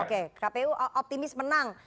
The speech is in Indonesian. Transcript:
oke kpu optimis menang